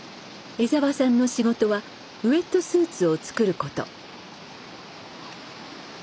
江澤さんの仕事はウエットスーツを作ること。